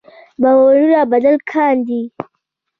باورونه بدل کاندي.